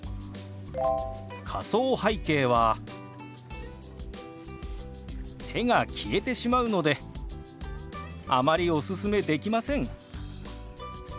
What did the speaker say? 仮想背景は手が消えてしまうのであまりおすすめできません。